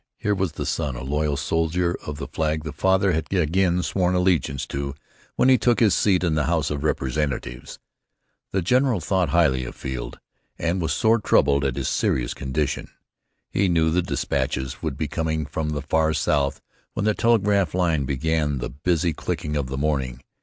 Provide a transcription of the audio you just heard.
Here was the son, a loyal soldier of the flag the father had again sworn allegiance to when he took his seat in the House of Representatives. The general thought highly of Field, and was sore troubled at his serious condition. He knew what despatches would be coming from the far South when the telegraph line began the busy clicking of the morning.